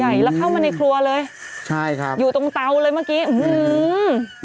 ใหญ่แล้วเข้ามาในครัวเลยอยู่ตรงเตาเลยเมื่อกี้อืม